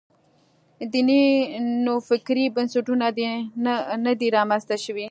دیني نوفکرۍ بنسټونه نه دي رامنځته شوي.